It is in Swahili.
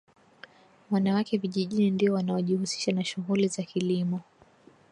wanawake vijijini ndio wanaojihusisha na shughuli za kilimo